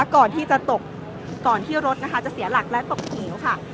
ก่อนที่จะตกก่อนที่รถนะคะจะเสียหลักและตกเหวค่ะ